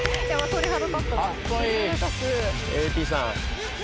鳥肌立ったな